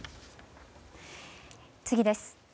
次です。